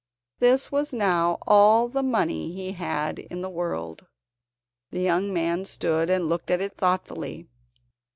This was now all the money he had in the world. The young man stood and looked at it thoughtfully.